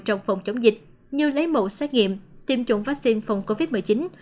trong phòng chống dịch như lấy mẫu xét nghiệm tiêm chủng vaccine phòng covid một mươi chín